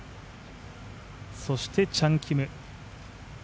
そしてチャン・キム。